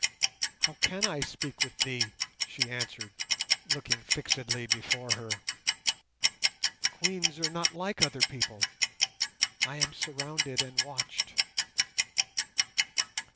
"How can I speak with thee?" she answered, looking fixedly before her; "Queens are not like other people. I am surrounded and watched."